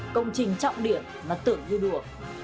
công trình trọng điểm mà tưởng như đùa